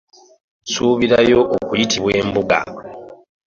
Suubirayo okuyitibwa e mbuga.